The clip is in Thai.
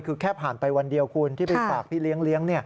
คือแค่ผ่านไปวันเดียวคุณที่ไปฝากพี่เลี้ยง